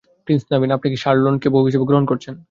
Prince Naveen, আপনি কি শার্লোটকে আপনার বউ হিসেবে গ্রহণ করছেন?